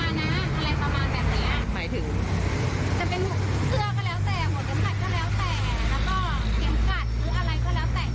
ที่เป็นของสถาบันเขา